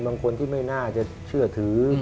บางคนที่ไม่น่าจะเชื่อถือ